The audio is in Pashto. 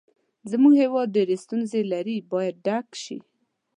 زموږ هېواد ډېرې ستونزې لري باید ډک شي.